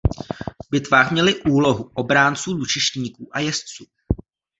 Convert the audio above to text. V bitvách měli úlohu obránců lučištníků a jezdců.